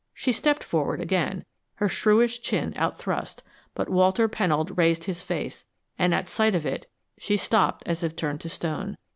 She stepped forward again, her shrewish chin out thrust, but Walter Pennold raised his face, and at sight of it she stopped as if turned to stone.